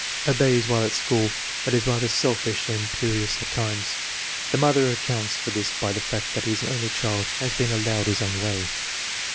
Obeys while at school, but is rather selfish and im perious at home. The mother accounts for this by the fact that he is an only child and has been allowed his own way.